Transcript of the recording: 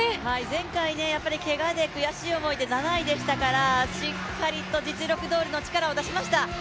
前回、けがで悔しい思いで７位でしたから、しっかり実力どおりの力をだしました。